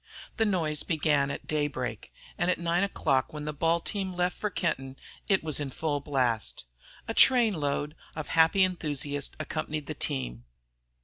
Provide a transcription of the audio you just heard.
The noise began at daybreak, and at nine o'clock when the ball team left for Kenton, it was in full blast. A train load of happy enthusiasts accompanied the team.